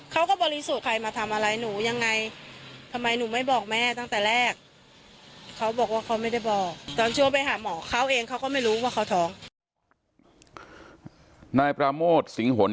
เขาก็บริสุทธิ์น้าม่อนอุ่น